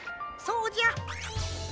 そうじゃ。